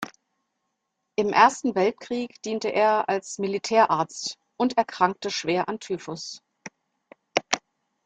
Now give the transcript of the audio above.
Im Ersten Weltkrieg diente er als Militärarzt und erkrankte schwer an Typhus.